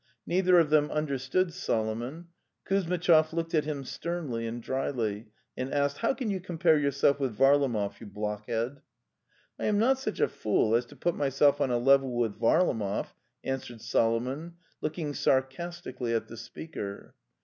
Neither of them understood Solomon. Kuzmitchov looked at him sternly and dryly, and asked: "How can you compare yourself with Varlamov, you blockhead? "' '"T am not such a fool as to put myself on a level with Varlamov," answered Solomon, looking sarcas tically at the speaker.